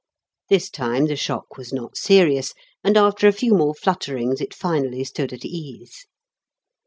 This time the shock was not serious, and after a few more flutterings it finally stood at ease.